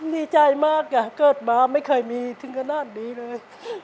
ดีใจมากจ้ะเกิดมาไม่เคยมีถึงขนาดนี้เลย